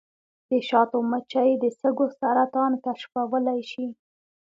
د شاتو مچۍ د سږو سرطان کشفولی شي.